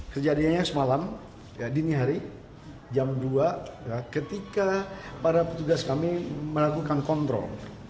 kejadiannya semalam dini hari jam dua ketika para petugas kami melakukan kontrol